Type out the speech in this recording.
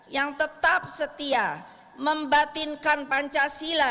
yang tetap setia membatinkan pancasila